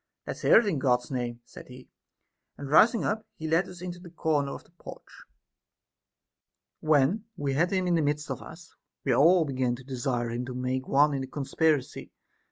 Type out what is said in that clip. Let's hear it in God's name, said he ; and rising up, he led us into a corner of the porch. When we had him in the midst of us, we all began to desire him to make one in the conspiracy.